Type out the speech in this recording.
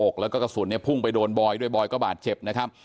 แล้วก็กระสุนเนี่ยพุ่งไปโดนบอยด้วยบอยก็บาดเจ็บนะครับ